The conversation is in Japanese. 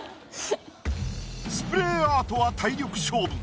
スプレーアートは体力勝負。